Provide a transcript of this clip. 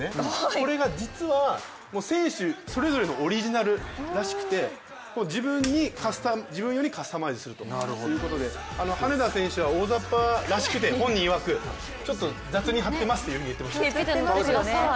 これが実は選手それぞれのオリジナルらしくて自分用にカスタマイズするということで羽根田選手は大ざっぱらしくて、本人いわく雑に貼ってますと言っていました。